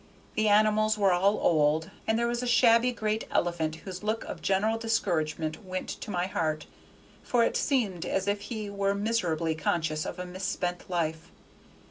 The animals were all old, and there was a shabby great elephant whose look of general discouragement went to my heart, for it seemed as if he were miserably conscious of a misspent life.